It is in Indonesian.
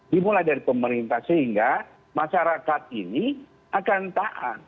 dimulai dari pemerintah sehingga masyarakat ini akan taat